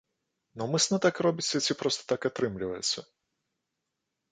Наўмысна так робіце, ці проста так атрымліваецца?